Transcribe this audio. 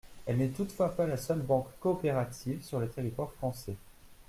Elle n’est toutefois pas la seule banque coopérative sur le territoire français.